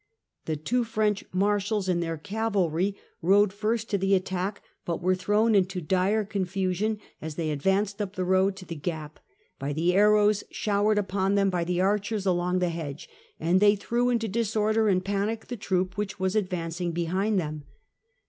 The two French Marshals and their cavahy rode first to the FRENCH HISTORY, 1328 1380 141 attack, but were thrown into dire confusion as they ad vanced up the road to the gap, by the arrows showered upon them by the archers along the hedge, and they threw into disorder and panic the troop which was ad vancing behind them.